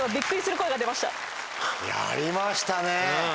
やりましたね。